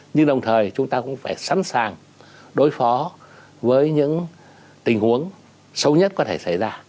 nhưng đồng thời chúng ta cũng phải sẵn sàng đối phó với những tình huống xấu nhất có thể xảy ra